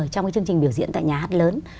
trong cái chương trình biểu diễn tại nhà hát lớn